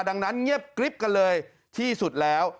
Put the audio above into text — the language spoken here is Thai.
ดังนั้นเงียบกริ๊บกันเลยที่สุดแล้ว